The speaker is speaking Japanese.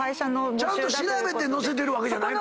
調べて載せてるわけじゃないの？